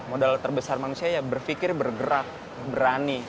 modal terbesar manusia ya berpikir bergerak berani